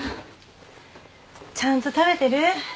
ちゃんと食べてる？